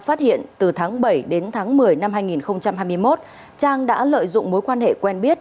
phát hiện từ tháng bảy đến tháng một mươi năm hai nghìn hai mươi một trang đã lợi dụng mối quan hệ quen biết